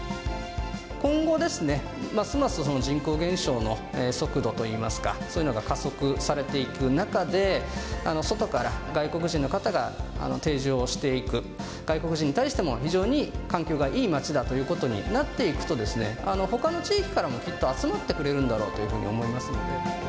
今後ですね、ますます人口減少の速度といいますか、そういうのが加速されていく中で、外から外国人の方が定住をしていく、外国人に対しても、非常に環境がいい街だということになっていくと、ほかの地域からもきっと集まってくれるんだろうというふうに思いますので。